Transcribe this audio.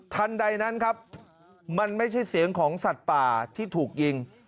ทันใดนั้นครับมันไม่ใช่เสียงของสัตว์ป่าที่ถูกยิง